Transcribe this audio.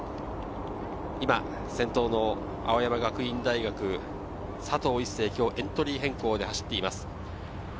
先頭の青山学院大学、佐藤一世が今日、エントリー変更で走っています。